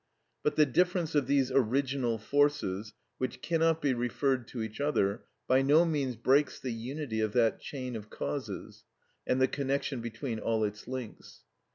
But the difference of these original forces, which cannot be referred to each other, by no means breaks the unity of that chain of causes, and the connection between all its links.